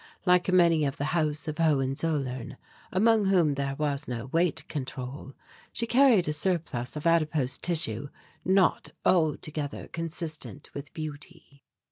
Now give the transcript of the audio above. Like many of the House of Hohenzollern, among whom there was no weight control, she carried a surplus of adipose tissue not altogether consistent with beauty.